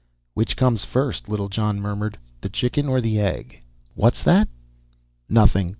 "Which comes first?" Littlejohn murmured. "The chicken or the egg?" "What's that?" "Nothing.